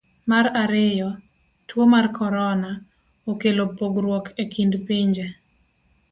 Mar ariyo, tuo mar korona, okelo pogruok e kind pinje.